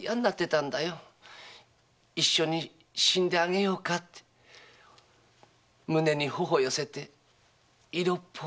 「一緒に死んであげようか」って胸に頬よせて色っぽい目で。